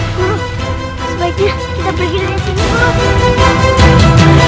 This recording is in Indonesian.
guru sebaiknya kita pergi dari sini